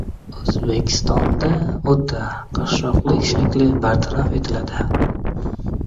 O‘zbekistonda o‘ta qashshoqlik shakli bartaraf etiladi